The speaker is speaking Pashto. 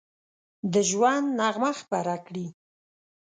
د ژوند نغمه خپره کړي